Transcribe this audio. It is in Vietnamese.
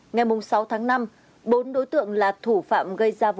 ngày sáu tháng năm bốn đối tượng là thủ phạm gây ra vụ án